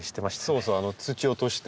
そうそう土を落として。